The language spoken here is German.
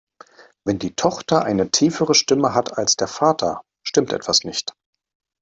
Wenn die Tochter eine tiefere Stimme hat als der Vater, stimmt etwas nicht.